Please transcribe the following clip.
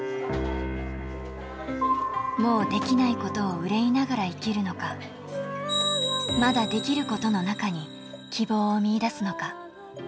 もうできないことを憂いながら生きるのか、まだできることの中に希望を見いだすのか。